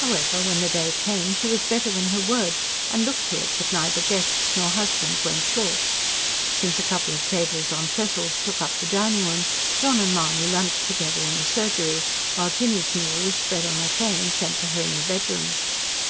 However, when the day came, she was better than her word, and looked to it that neither guests nor husband went short. Since a couple of tables on trestles took up the dining room, John and Mahony lunched together in the surgery; while Jinny's meal was spread on a tray and sent to her in the bedroom.